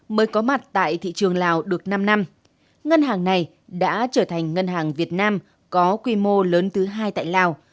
mới có mặt tại thị trường lào được năm năm ngân hàng này đã trở thành ngân hàng việt nam có quy mô lớn thứ hai tại lào